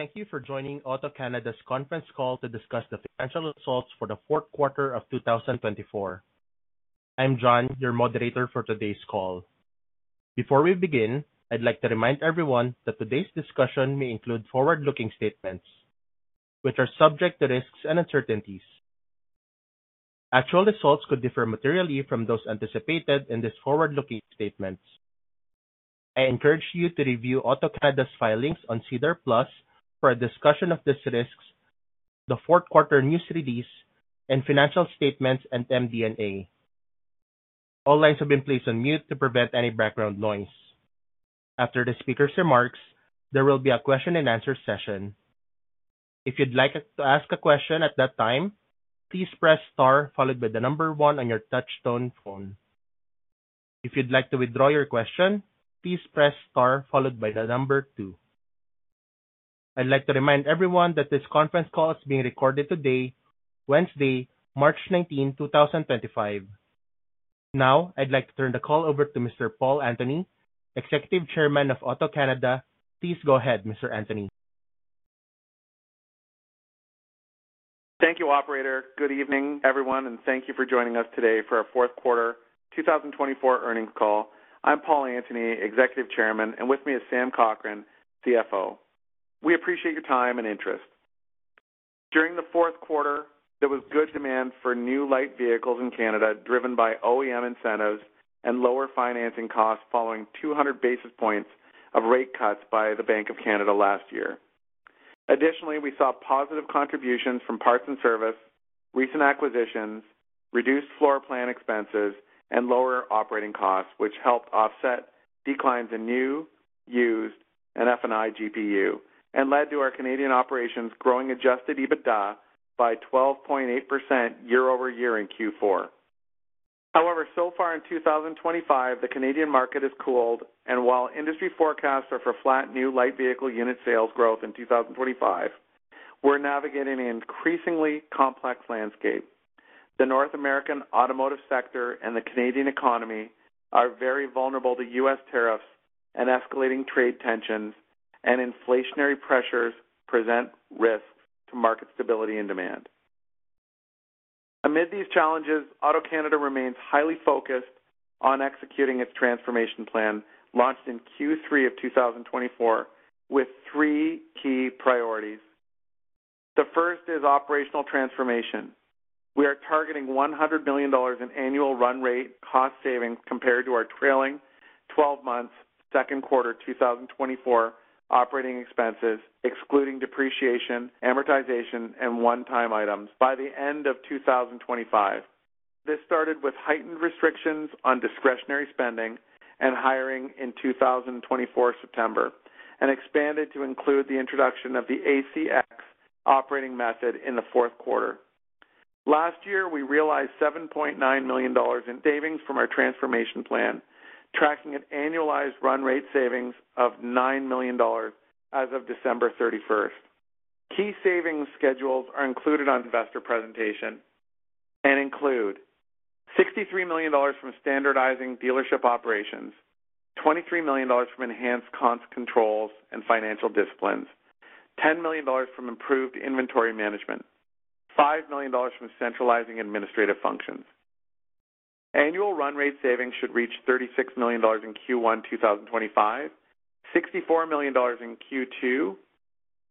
Thank you for joining AutoCanada's conference call to discuss the financial results for the fourth quarter of 2024. I'm John, your moderator for today's call. Before we begin, I'd like to remind everyone that today's discussion may include forward-looking statements, which are subject to risks and uncertainties. Actual results could differ materially from those anticipated in these forward-looking statements. I encourage you to review AutoCanada's filings on SEDAR+ for a discussion of these risks, the fourth quarter news release, and financial statements and MD&A. All lines have been placed on mute to prevent any background noise. After the speaker's remarks, there will be a question-and-answer session. If you'd like to ask a question at that time, please press star followed by the number one on your touchtone phone. If you'd like to withdraw your question, please press star followed by the number two. I'd like to remind everyone that this conference call is being recorded today, Wednesday, March 19, 2025. Now, I'd like to turn the call over to Mr. Paul Antony, Executive Chairman of AutoCanada. Please go ahead, Mr. Antony. Thank you, Operator. Good evening, everyone, and thank you for joining us today for our fourth quarter 2024 earnings call. I'm Paul Antony, Executive Chairman, and with me is Sam Cochrane, CFO. We appreciate your time and interest. During the fourth quarter, there was good demand for new light vehicles in Canada driven by OEM incentives and lower financing costs following 200 basis points of rate cuts by the Bank of Canada last year. Additionally, we saw positive contributions from parts and service, recent acquisitions, reduced floor plan expenses, and lower operating costs, which helped offset declines in new, used, and F&I GPU, and led to our Canadian operations growing adjusted EBITDA by 12.8% year-over-year in Q4. However, so far in 2025, the Canadian market has cooled, and while industry forecasts are for flat new light vehicle unit sales growth in 2025, we're navigating an increasingly complex landscape. The North American automotive sector and the Canadian economy are very vulnerable to U.S. tariffs and escalating trade tensions, and inflationary pressures present risks to market stability and demand. Amid these challenges, AutoCanada remains highly focused on executing its transformation plan launched in Q3 of 2024 with three key priorities. The first is operational transformation. We are targeting 100 million dollars in annual run-rate cost savings compared to our trailing 12 months, second quarter 2024 operating expenses, excluding depreciation, amortization, and one-time items by the end of 2025. This started with heightened restrictions on discretionary spending and hiring in 2024 September and expanded to include the introduction of the ACX Operating Method in the fourth quarter. Last year, we realized 7.9 million dollars in savings from our transformation plan, tracking an annualized run-rate savings of 9 million dollars as of December 31st. Key savings schedules are included on investor presentation and include 63 million dollars from standardizing dealership operations, 23 million dollars from enhanced cost controls, and financial disciplines, 10 million dollars from improved inventory management, and 5 million dollars from centralizing administrative functions. Annual run-rate savings should reach 36 million dollars in Q1 2025, 64 million dollars in Q2,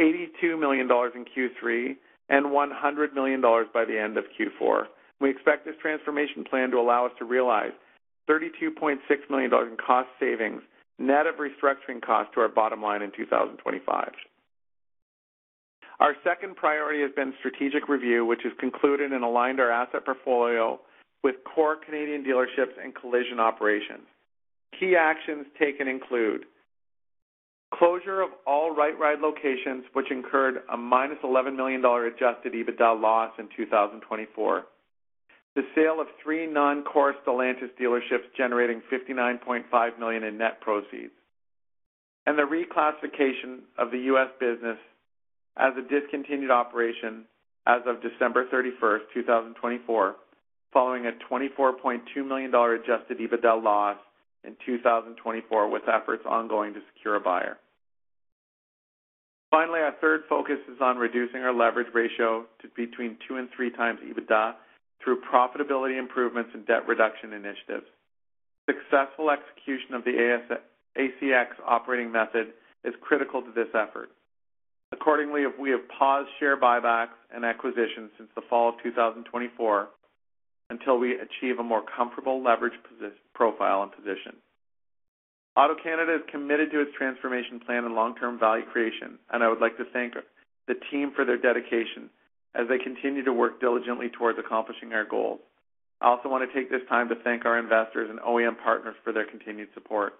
82 million dollars in Q3, and 100 million dollars by the end of Q4. We expect this transformation plan to allow us to realize 32.6 million dollars in cost savings net of restructuring costs to our bottom line in 2025. Our second priority has been strategic review, which has concluded and aligned our asset portfolio with core Canadian dealerships and collision operations. Key actions taken include closure of all RightRide locations, which incurred a minus 11 million dollar adjusted EBITDA loss in 2024, the sale of three non-core Stellantis dealerships generating 59.5 million in net proceeds, and the reclassification of the U.S. business as a discontinued operation as of December 31st, 2024, following a 24.2 million dollar adjusted EBITDA loss in 2024, with efforts ongoing to secure a buyer. Finally, our third focus is on reducing our leverage ratio to between 2x and 3x EBITDA through profitability improvements and debt reduction initiatives. Successful execution of the ACX Operating Method is critical to this effort. Accordingly, we have paused share buybacks and acquisitions since the fall of 2024 until we achieve a more comfortable leverage profile and position. AutoCanada is committed to its transformation plan and long-term value creation, and I would like to thank the team for their dedication as they continue to work diligently towards accomplishing our goals. I also want to take this time to thank our investors and OEM partners for their continued support.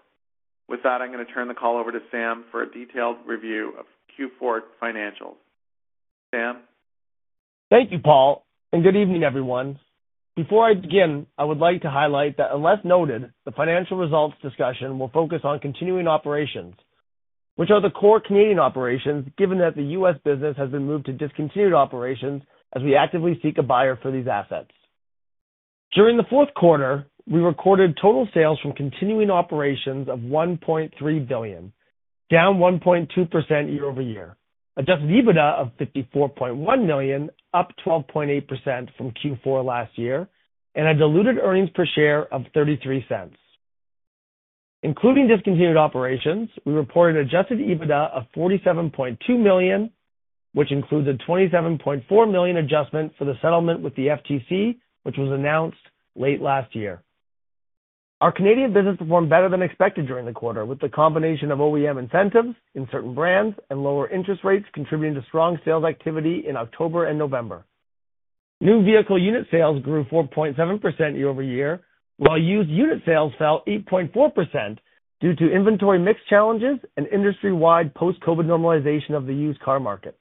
With that, I'm going to turn the call over to Sam for a detailed review of Q4 financials. Sam. Thank you, Paul, and good evening, everyone. Before I begin, I would like to highlight that, unless noted, the financial results discussion will focus on continuing operations, which are the core Canadian operations, given that the U.S. business has been moved to discontinued operations as we actively seek a buyer for these assets. During the fourth quarter, we recorded total sales from continuing operations of 1.3 billion, down 1.2% year-over-year, adjusted EBITDA of 54.1 million, up 12.8% from Q4 last year, and a diluted earnings per share of 0.33. Including discontinued operations, we reported adjusted EBITDA of CAD 47.2 million, which includes a CAD 27.4 million adjustment for the settlement with the FTC, which was announced late last year. Our Canadian business performed better than expected during the quarter, with the combination of OEM incentives in certain brands and lower interest rates contributing to strong sales activity in October and November. New vehicle unit sales grew 4.7% year-over-year, while used unit sales fell 8.4% due to inventory mix challenges and industry-wide post-COVID normalization of the used car market.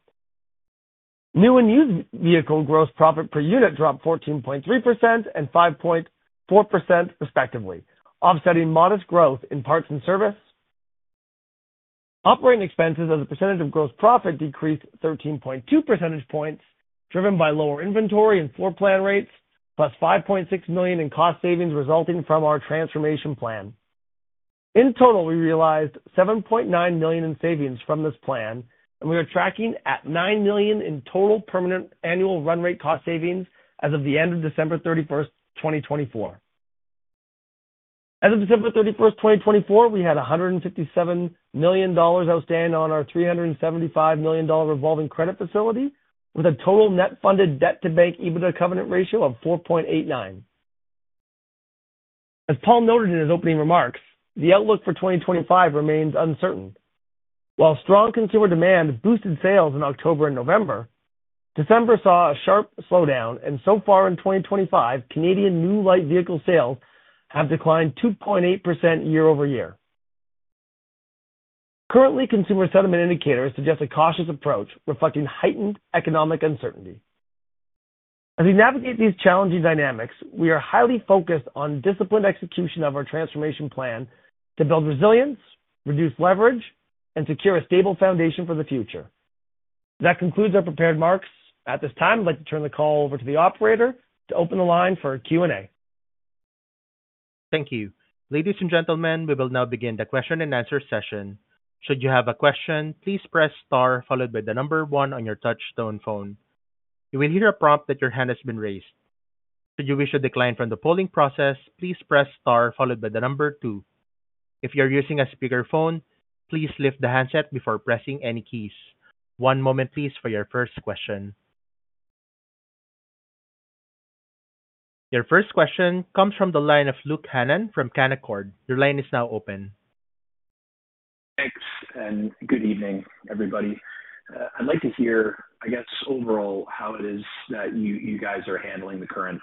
New and used vehicle gross profit per unit dropped 14.3% and 5.4%, respectively, offsetting modest growth in parts and service. Operating expenses, as a percentage of gross profit, decreased 13.2 percentage points, driven by lower inventory and floor plan rates, plus 5.6 million in cost savings resulting from our transformation plan. In total, we realized 7.9 million in savings from this plan, and we are tracking at 9 million in total permanent annual run-rate cost savings as of the end of December 31st, 2024. As of December 31st, 2024, we had 157 million dollars outstanding on our 375 million dollar revolving credit facility, with a total net funded debt-to-bank EBITDA covenant ratio of 4.89. As Paul noted in his opening remarks, the outlook for 2025 remains uncertain. While strong consumer demand boosted sales in October and November, December saw a sharp slowdown, and so far in 2025, Canadian new light vehicle sales have declined 2.8% year-over-year. Currently, consumer sentiment indicators suggest a cautious approach, reflecting heightened economic uncertainty. As we navigate these challenging dynamics, we are highly focused on disciplined execution of our transformation plan to build resilience, reduce leverage, and secure a stable foundation for the future. That concludes our prepared remarks. At this time, I'd like to turn the call over to the Operator to open the line for a Q&A. Thank you. Ladies and gentlemen, we will now begin the question-and-answer session. Should you have a question, please press star followed by the number one on your touchstone phone. You will hear a prompt that your hand has been raised. Should you wish to decline from the polling process, please press star followed by the number two. If you are using a speakerphone, please lift the handset before pressing any keys. One moment, please, for your first question. Your first question comes from the line of Luke Hannan from Canaccord. Your line is now open. Thanks, and good evening, everybody. I'd like to hear, I guess, overall, how it is that you guys are handling the current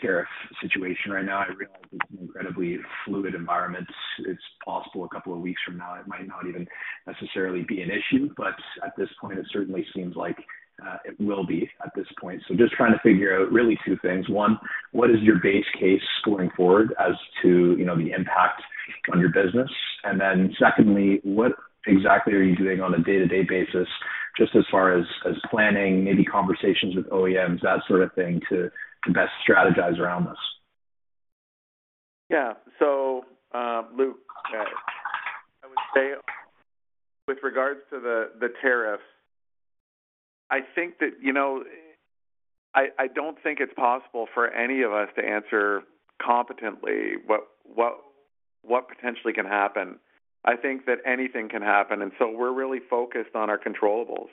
tariff situation right now. I realize it's an incredibly fluid environment. It's possible a couple of weeks from now it might not even necessarily be an issue, but at this point, it certainly seems like it will be at this point. Just trying to figure out really two things. One, what is your base case going forward as to the impact on your business? Then secondly, what exactly are you doing on a day-to-day basis, just as far as planning, maybe conversations with OEMs, that sort of thing, to best strategize around this? Yeah. Luke, I would say with regards to the tariffs, I think that I do not think it is possible for any of us to answer competently what potentially can happen. I think that anything can happen, and we are really focused on our controllables,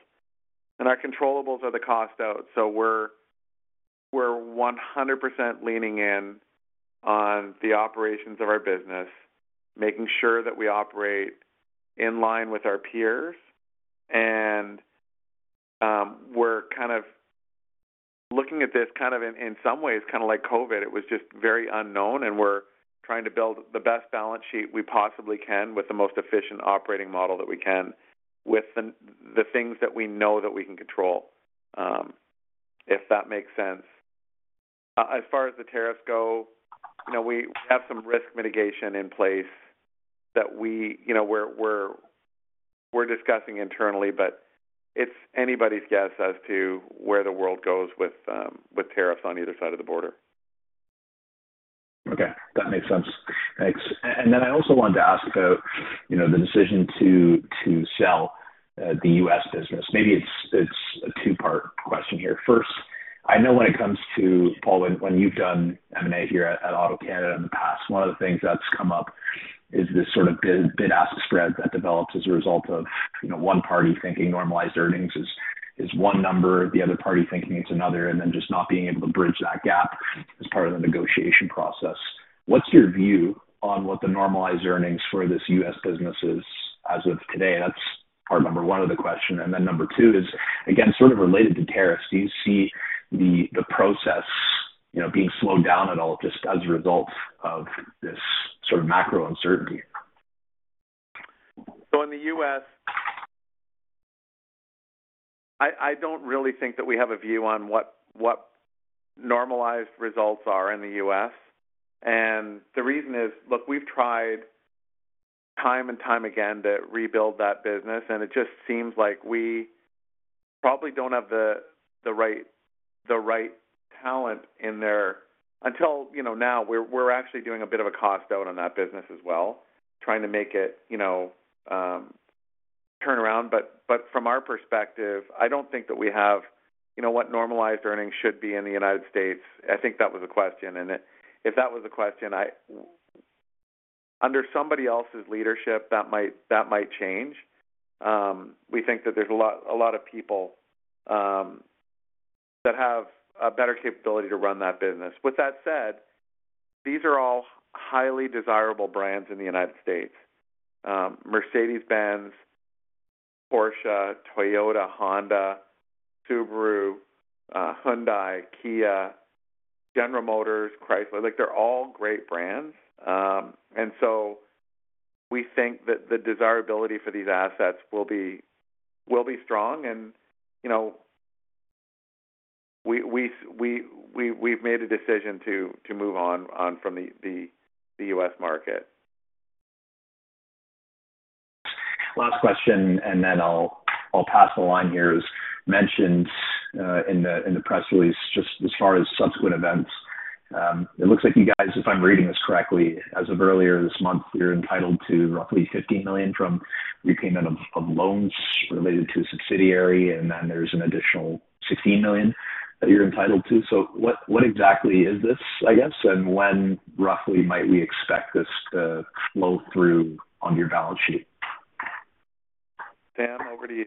and our controllables are the cost out. We are 100% leaning in on the operations of our business, making sure that we operate in line with our peers, and we are kind of looking at this kind of in some ways, kind of like COVID. It was just very unknown, and we are trying to build the best balance sheet we possibly can with the most efficient operating model that we can, with the things that we know that we can control, if that makes sense. As far as the tariffs go, we have some risk mitigation in place that we're discussing internally, but it's anybody's guess as to where the world goes with tariffs on either side of the border. Okay. That makes sense. Thanks. I also wanted to ask about the decision to sell the U.S. business. Maybe it's a two-part question here. First, I know when it comes to, Paul, when you've done M&A here at AutoCanada in the past, one of the things that's come up is this sort of bid-ask spread that develops as a result of one party thinking normalized earnings is one number, the other party thinking it's another, and then just not being able to bridge that gap as part of the negotiation process. What's your view on what the normalized earnings for this U.S. business is as of today? That's part number one of the question. Number two is, again, sort of related to tariffs, do you see the process being slowed down at all just as a result of this sort of macro uncertainty? In the U.S., I don't really think that we have a view on what normalized results are in the U.S. The reason is, look, we've tried time and time again to rebuild that business, and it just seems like we probably don't have the right talent in there until now. We're actually doing a bit of a cost out on that business as well, trying to make it turn around. From our perspective, I don't think that we have what normalized earnings should be in the United States. I think that was a question, and if that was a question, under somebody else's leadership, that might change. We think that there's a lot of people that have a better capability to run that business. With that said, these are all highly desirable brands in the United States: Mercedes-Benz, Porsche, Toyota, Honda, Subaru, Hyundai, Kia, General Motors, Chrysler. They're all great brands. We think that the desirability for these assets will be strong, and we've made a decision to move on from the U.S. market. Last question, and then I'll pass the line here, as mentioned in the press release, just as far as subsequent events. It looks like you guys, if I'm reading this correctly, as of earlier this month, you're entitled to roughly 15 million from repayment of loans related to a subsidiary, and then there's an additional 16 million that you're entitled to. What exactly is this, I guess, and when roughly might we expect this to flow through on your balance sheet? Sam, over to you.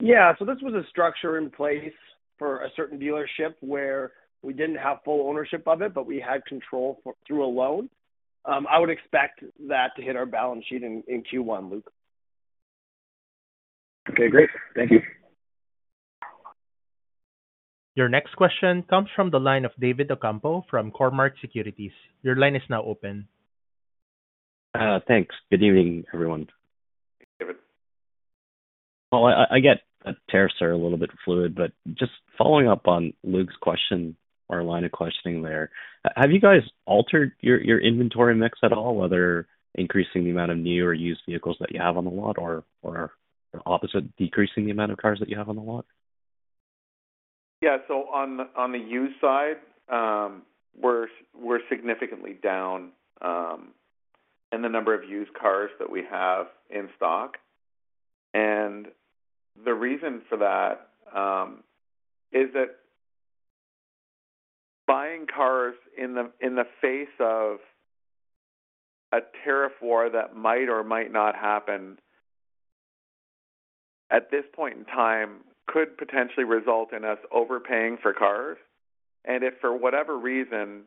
Yeah. This was a structure in place for a certain dealership where we did not have full ownership of it, but we had control through a loan. I would expect that to hit our balance sheet in Q1, Luke. Okay. Great. Thank you. Your next question comes from the line of David Ocampo from Cormark Securities. Your line is now open. Thanks. Good evening, everyone. David. Paul, I get that tariffs are a little bit fluid, but just following up on Luke's question or line of questioning there, have you guys altered your inventory mix at all, whether increasing the amount of new or used vehicles that you have on the lot or, opposite, decreasing the amount of cars that you have on the lot? Yeah. On the used side, we're significantly down in the number of used cars that we have in stock. The reason for that is that buying cars in the face of a tariff war that might or might not happen at this point in time could potentially result in us overpaying for cars. If for whatever reason,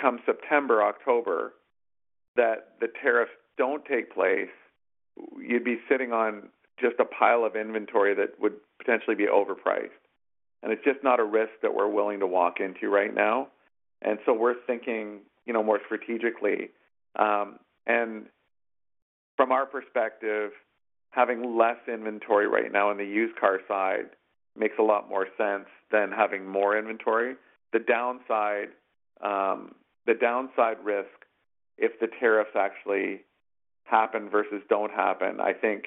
come September, October, the tariffs do not take place, you'd be sitting on just a pile of inventory that would potentially be overpriced. It's just not a risk that we're willing to walk into right now. We're thinking more strategically. From our perspective, having less inventory right now on the used car side makes a lot more sense than having more inventory. The downside risk, if the tariffs actually happen versus do not happen, I think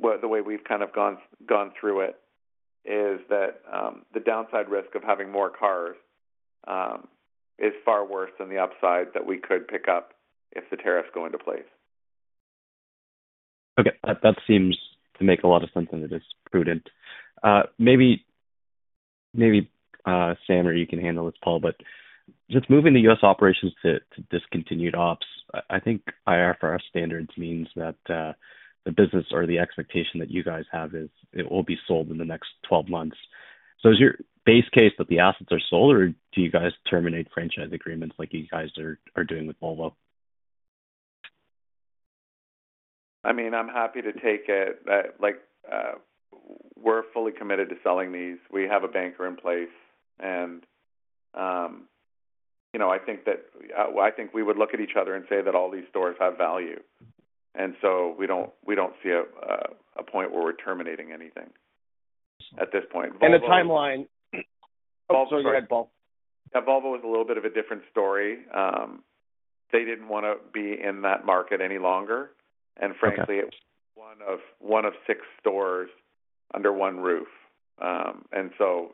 the way we have kind of gone through it is that the downside risk of having more cars is far worse than the upside that we could pick up if the tariffs go into place. Okay. That seems to make a lot of sense and it is prudent. Maybe Sam, or you can handle this, Paul, but just moving the U.S. operations to discontinued ops, I think IR for our standards means that the business or the expectation that you guys have is it will be sold in the next 12 months. Is your base case that the assets are sold, or do you guys terminate franchise agreements like you guys are doing with Volvo? I mean, I'm happy to take it. We're fully committed to selling these. We have a banker in place, and I think that we would look at each other and say that all these stores have value. We do not see a point where we're terminating anything at this point. The timeline. Paul, go ahead, Paul. Yeah. Volvo was a little bit of a different story. They did not want to be in that market any longer, and frankly, it was one of six stores under one roof.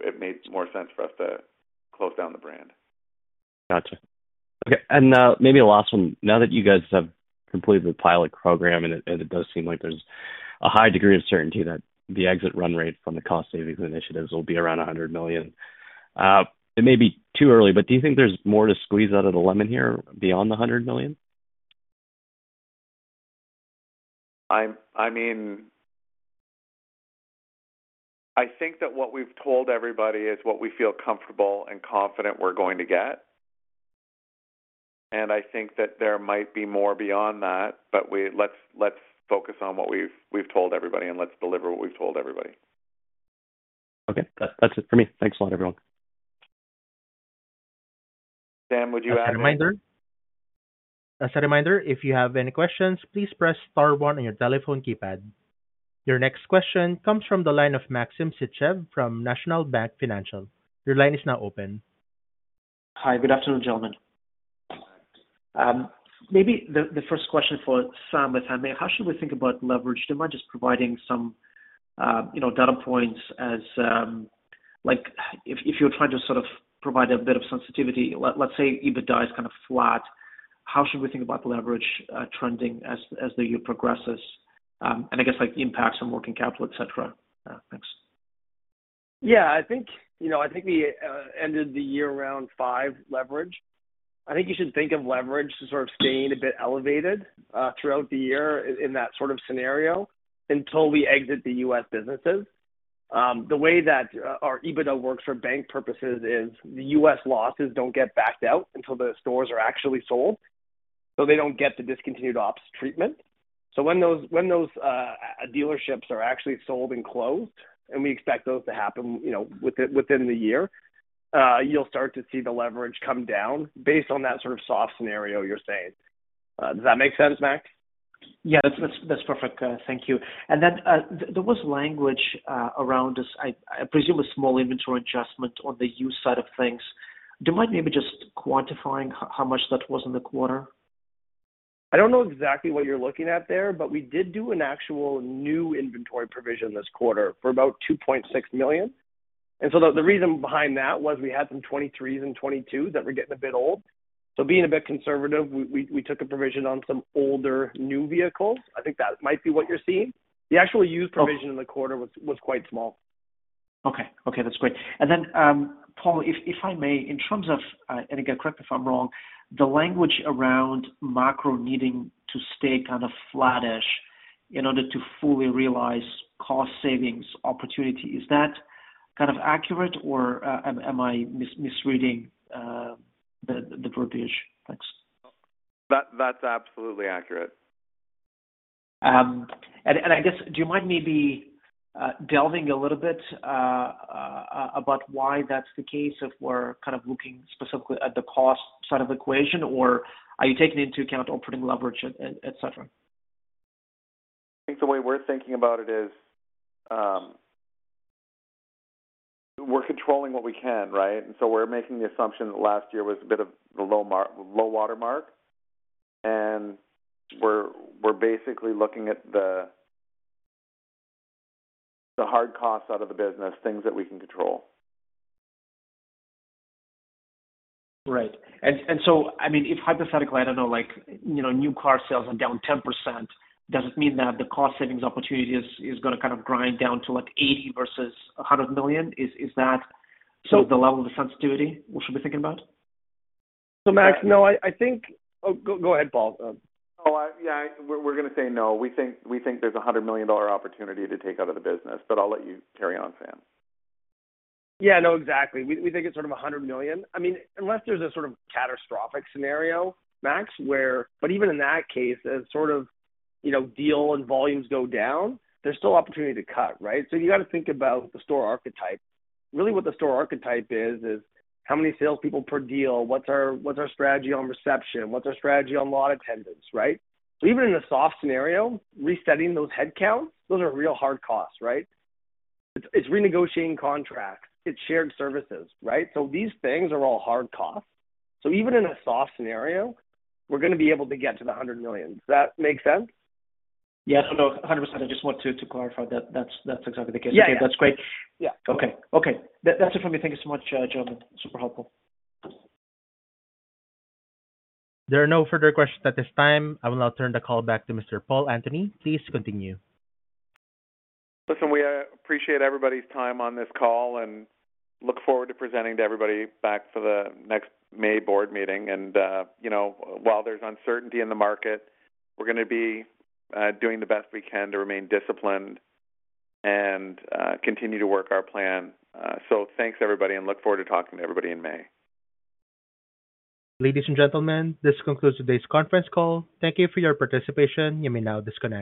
It made more sense for us to close down the brand. Gotcha. Okay. Maybe the last one. Now that you guys have completed the pilot program, and it does seem like there's a high degree of certainty that the exit run-rate from the cost savings initiatives will be around 100 million, it may be too early, but do you think there's more to squeeze out of the lemon here beyond the 100 million? I mean, I think that what we've told everybody is what we feel comfortable and confident we're going to get. I think that there might be more beyond that, but let's focus on what we've told everybody, and let's deliver what we've told everybody. Okay. That's it for me. Thanks a lot, everyone. Sam, would you add anything? As a reminder, if you have any questions, please press star one on your telephone keypad. Your next question comes from the line of Maxim Sytchev from National Bank Financial. Your line is now open. Hi. Good afternoon, gentlemen. Maybe the first question for Sam is, I mean, how should we think about leverage? Am I just providing some data points as if you're trying to sort of provide a bit of sensitivity? Let's say EBITDA is kind of flat. How should we think about the leverage trending as the year progresses? I guess impacts on working capital, etc. Thanks. Yeah. I think we ended the year around five leverage. I think you should think of leverage sort of staying a bit elevated throughout the year in that sort of scenario until we exit the U.S. businesses. The way that our EBITDA works for bank purposes is the U.S. losses do not get backed out until the stores are actually sold. They do not get the discontinued ops treatment. When those dealerships are actually sold and closed, and we expect those to happen within the year, you will start to see the leverage come down based on that sort of soft scenario you are saying. Does that make sense, Max? Yeah. That's perfect. Thank you. There was language around this, I presume, a small inventory adjustment on the used side of things. Do you mind maybe just quantifying how much that was in the quarter? I don't know exactly what you're looking at there, but we did do an actual new inventory provision this quarter for about 2.6 million. The reason behind that was we had some 2023s and 2022s that were getting a bit old. Being a bit conservative, we took a provision on some older new vehicles. I think that might be what you're seeing. The actual used provision in the quarter was quite small. Okay. Okay. That's great. Paul, if I may, in terms of—and again, correct me if I'm wrong—the language around macro needing to stay kind of flattish in order to fully realize cost savings opportunity, is that kind of accurate, or am I misreading the verbiage? Thanks. That's absolutely accurate. I guess, do you mind maybe delving a little bit about why that's the case if we're kind of looking specifically at the cost side of the equation, or are you taking into account operating leverage, etc.? I think the way we're thinking about it is we're controlling what we can, right? We're making the assumption that last year was a bit of the low watermark, and we're basically looking at the hard costs out of the business, things that we can control. Right. I mean, if hypothetically, I do not know, new car sales are down 10%, does it mean that the cost savings opportunity is going to kind of grind down to like 80 million versus 100 million? Is that sort of the level of sensitivity we should be thinking about? Max, no. I think—oh, go ahead, Paul. Oh, yeah. We're going to say no. We think there's a 100 million dollar opportunity to take out of the business, but I'll let you carry on, Sam. Yeah. No, exactly. We think it's sort of 100 million. I mean, unless there's a sort of catastrophic scenario, Max, where—even in that case, as sort of deal and volumes go down, there's still opportunity to cut, right? You got to think about the store archetype. Really, what the store archetype is, is how many salespeople per deal, what's our strategy on reception, what's our strategy on lot attendance, right? Even in the soft scenario, resetting those headcounts, those are real hard costs, right? It's renegotiating contracts. It's shared services, right? These things are all hard costs. Even in a soft scenario, we're going to be able to get to the 100 million. Does that make sense? Yeah. No, no. 100%. I just want to clarify that that's exactly the case. Okay. That's great. Yeah. Okay. Okay. That's it from me. Thank you so much, gentlemen. Super helpful. There are no further questions at this time. I will now turn the call back to Mr. Paul Antony. Please continue. Listen, we appreciate everybody's time on this call and look forward to presenting to everybody back for the next May board meeting. While there's uncertainty in the market, we're going to be doing the best we can to remain disciplined and continue to work our plan. Thanks, everybody, and look forward to talking to everybody in May. Ladies and gentlemen, this concludes today's conference call. Thank you for your participation. You may now disconnect.